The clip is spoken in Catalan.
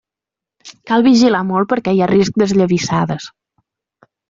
Cal vigilar molt perquè hi ha risc d'esllavissades.